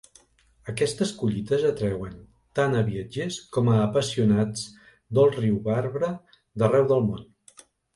Aquestes "collites" atreuen tant a viatgers com a "apassionats del ruibarbre" d'arreu del món.